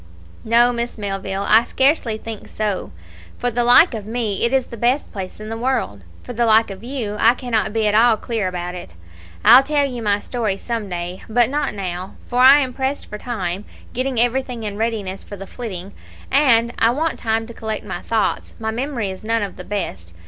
"No, Miss Melville, I scarcely think so. For the like of me it is the best place in the world; for the like of you I cannot be at all clear about it. I'll tell you my story some day, but not now, for I am pressed for time, getting everything in readiness for the flitting; and I want time to collect my thoughts; my memory is none of the best.